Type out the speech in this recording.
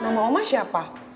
nama oma siapa